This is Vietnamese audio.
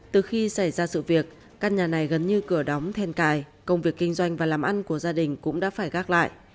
từ khi xảy ra sự việc căn nhà này gần như cửa đóng then cài công việc kinh doanh và làm ăn của gia đình cũng đã phải gác lại